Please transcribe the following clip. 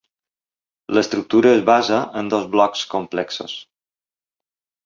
L'estructura es basa en dos blocs complexos.